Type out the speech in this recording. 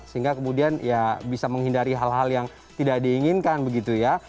sehingga kemudian ya bisa menghindari hal hal yang tidak diinginkan begitu ya